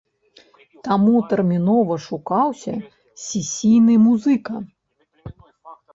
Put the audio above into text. Таму тэрмінова шукаўся сесійны музыка.